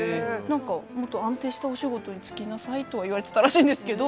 もっと安定したお仕事に就きなさいと言われていたらしいんですけど。